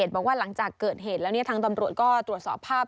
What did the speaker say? บอกว่าหลังจากเกิดเหตุแล้วทางตำรวจก็ตรวจสอบภาพ